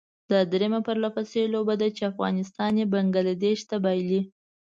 دا درېيمه پرلپسې لوبه ده چې افغانستان یې بنګله دېش ته بايلي.